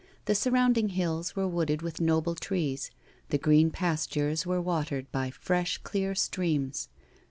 The surrounding hills were wooded with noble trees, the green pastures were watered by fresh clear streams.